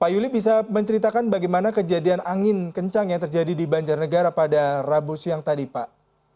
pak yuli bisa menceritakan bagaimana kejadian angin kencang yang terjadi di banjarnegara pada rabu siang tadi pak